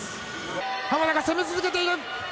浜田が攻め続けている。